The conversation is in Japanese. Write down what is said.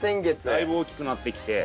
だいぶ大きくなってきて。